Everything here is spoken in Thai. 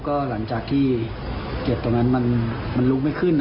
ก็หลังจากที่เก็บตรงนั้นมันลุกไม่ขึ้น